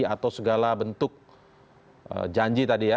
atau segala bentuk janji tadi ya